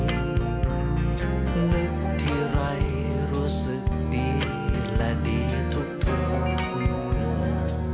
นึกทีไรรู้สึกดีและดีทุกเวลา